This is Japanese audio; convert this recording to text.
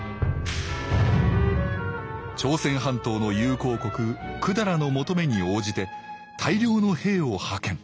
朝鮮半島の友好国百済の求めに応じて大量の兵を派遣。